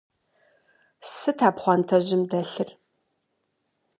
Сыт а пхъуантэжьым дэлъыр?